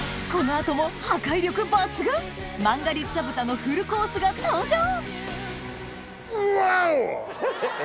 この後も破壊力抜群マンガリッツァ豚のフルコースが登場！